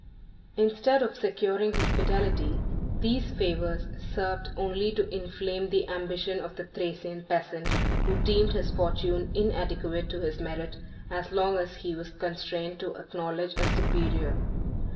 ] Instead of securing his fidelity, these favors served only to inflame the ambition of the Thracian peasant, who deemed his fortune inadequate to his merit, as long as he was constrained to acknowledge a superior.